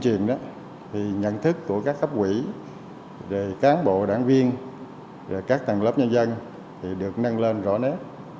truyền đó thì nhận thức của các cấp quỹ các cán bộ đảng viên các tầng lớp nhân dân thì được nâng lên rõ nét